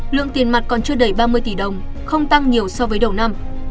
lượng tiền mặt còn chưa đầy ba mươi tỷ đồng không tăng nhiều so với đầu năm